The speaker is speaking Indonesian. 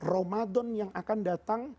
ramadan yang akan datang